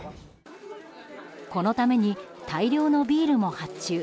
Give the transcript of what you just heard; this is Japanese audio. このために大量のビールも発注。